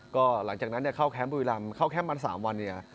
ก็หลังจากนั้นเข้าแคมป์บุรีรำเข้าแคมป์มัน๓วันเนี่ย